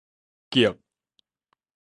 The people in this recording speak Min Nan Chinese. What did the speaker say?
激